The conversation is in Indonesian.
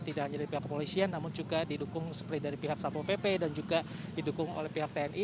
tidak hanya dari pihak kepolisian namun juga didukung seperti dari pihak sapo pp dan juga didukung oleh pihak tni